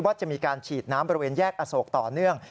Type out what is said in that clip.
ว่าจะมีการฉีดน้ำบริเวณแยกอโศกต่อเนื่อง